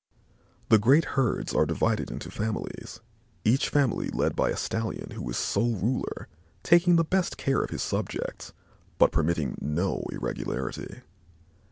The great herds are divided into families, each family led by a stallion who is sole ruler, taking the best of care of his subjects, but permitting no irregularity.